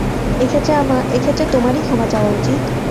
এ ক্ষেত্রে তোমারই ক্ষমা চাওয়া উচিত।